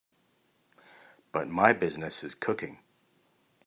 But my business is cooking.